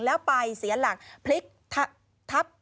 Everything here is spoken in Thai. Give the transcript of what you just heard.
แล้วไปเสียหลักพลิกทับ